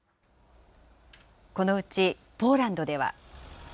このうちポーランドでは。